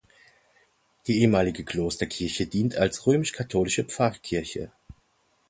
Die ehemalige Klosterkirche dient als römisch-katholische Pfarrkirche.